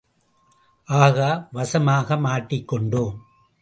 ஆகா வசமாக மாட்டிக் கொண்டோம்.